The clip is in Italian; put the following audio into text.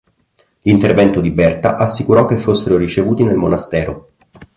L'intervento di Berta assicurò che fossero ricevuti nel monastero.